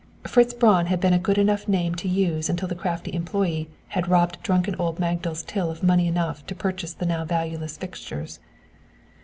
Fritz Braun had been a good enough name to use until the crafty employee had robbed drunken old Magdal's till of money enough to purchase the now valueless fixtures.